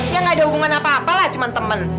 ya gak ada hubungan apa apa lah cuman temen